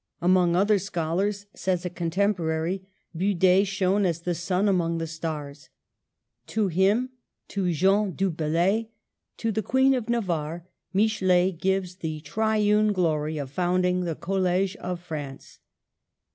Among other scholars, says a contemporary, Bude shone as the sun among the stars. To him, to Jean du Bellay, to the Queen of Navarre, Michelet gives the triune glory of founding the College of France.